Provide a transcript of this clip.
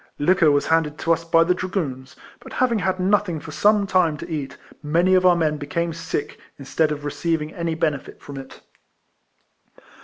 Liquor was handed to us by the Dragoons, EIFLEMAN HARRIS. 177 bat having had nothing for some time to eat, many of our men became sick, instead of receiving any benefit from it.